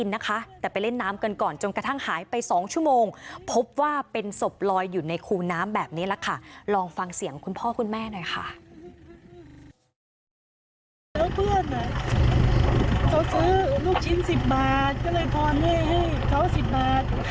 แล้วเพื่อนอ่ะเขาซื้อลูกชิ้น๑๐บาทก็เลยพรให้เขา๑๐บาท